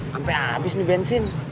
sampe abis nih bensin